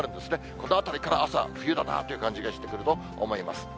このあたりから朝、冬だなぁという感じがしてくると思います。